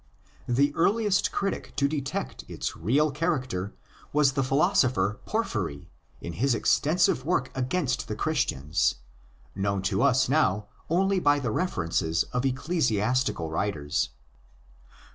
The earliest critic to detect its real character was the philosopher Porphyry in his extensive work against the Christians, known to us now only by the references of ecclesiastical authors.